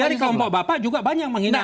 dari kelompok bapak juga banyak yang menghina